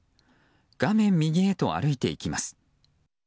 画面右へと歩いていきます。